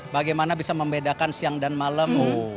bagaimana bisa membedakan siang dan malam